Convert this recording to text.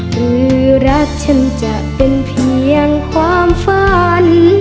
หรือรักฉันจะเป็นเพียงความฝัน